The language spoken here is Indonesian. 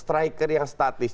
striker yang statis